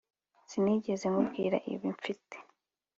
sinigeze nkubwira ibi, mfite